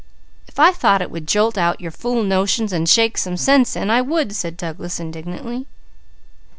"If I thought it would jolt out your fool notions and shake some sense in, I would," said Douglas indignantly.